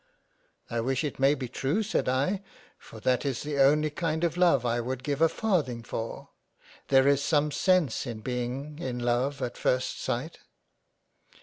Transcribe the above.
" I wish it may be true said I, for that is the only kind of love I would give a farthing for — There is some sense in being in love at first sight."